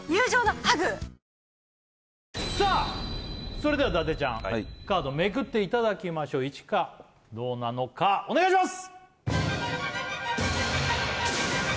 それでは伊達ちゃんカードめくっていただきましょう１かどうなのかお願いします！